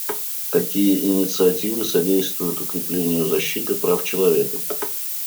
Такие инициативы содействуют укреплению защиты прав человека.